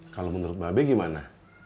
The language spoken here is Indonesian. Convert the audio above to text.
kalau menurut mba be gimana